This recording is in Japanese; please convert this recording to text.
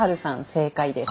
正解です。